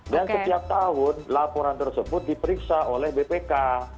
dan setiap tahun laporan tersebut diperiksa oleh bpk